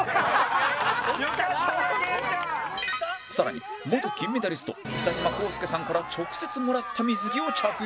更に元金メダリスト北島康介さんから直接もらった水着を着用